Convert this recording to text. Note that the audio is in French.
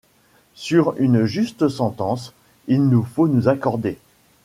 sur une juste sentence il nous faut nous accorder.